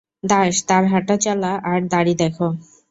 দাস, তার হাঁটা চলা আর দাড়ি দেখ্!